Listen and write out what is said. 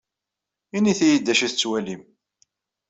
Init-iyi-d d acu i tettwalim.